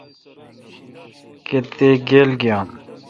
کتیک گیل گییام۔